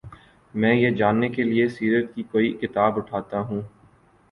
میں یہ جاننے کے لیے سیرت کی کوئی کتاب اٹھاتا ہوں۔